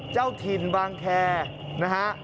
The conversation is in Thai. เจ้าถิ่นบางแคร์นะฮะ